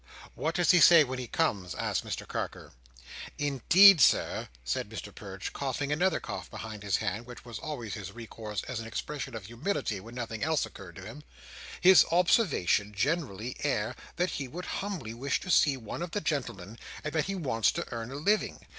"What does he say when he comes?" asked Mr Carker. "Indeed, Sir," said Mr Perch, coughing another cough behind his hand, which was always his resource as an expression of humility when nothing else occurred to him, "his observation generally air that he would humbly wish to see one of the gentlemen, and that he wants to earn a living.